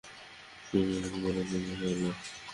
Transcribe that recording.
বরং এ রকম বলা উচিত যে, হে আল্লাহ!